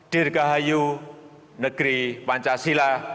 dirgahayu negeri pancasila